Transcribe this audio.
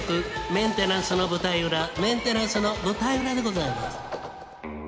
メンテナンスの舞台裏メンテナンスの舞台裏でございます